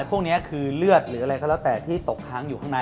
พวกนี้คือเลือดหรืออะไรก็แล้วแต่ที่ตกค้างอยู่ข้างใน